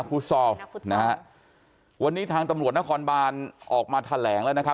ฟุตซอลนะฮะวันนี้ทางตำรวจนครบานออกมาแถลงแล้วนะครับ